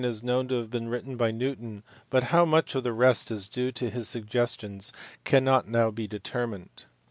is known to have been written by Newton, but how much of the rest is due to his suggestions cannot now be determined.